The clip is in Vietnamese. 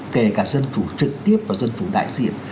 kể cả dân chủ trực tiếp và dân chủ đại diện